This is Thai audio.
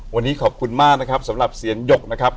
วันนี้ขอบคุณมากนะครับสำหรับเสียนหยกนะครับ